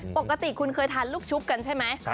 ปกติคุณเคยทานลูกชุบกันใช่ไหม